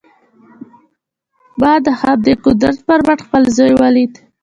ما د همدې قدرت پر مټ خپل زوی وليد.